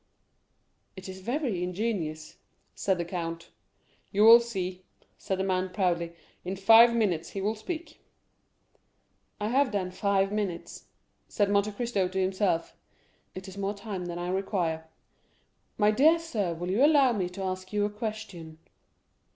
"It is very ingenious," said the count. "You will see," said the man proudly; "in five minutes he will speak." "I have, then, five minutes," said Monte Cristo to himself; "it is more time than I require. My dear sir, will you allow me to ask you a question?"